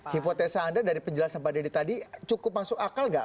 hipotesa anda dari penjelasan pak dedy tadi cukup masuk akal nggak